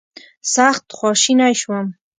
سخت خواشینی شوم.